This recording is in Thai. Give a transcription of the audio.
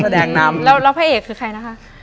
ดิงกระพวน